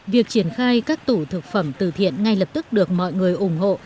việc triển khai các tủ thực phẩm từ thiện ngay lập tức được mọi người ủng hộ